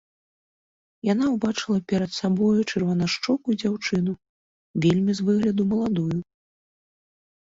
Яна ўбачыла перад сабою чырванашчокую дзяўчыну, вельмі з выгляду маладую.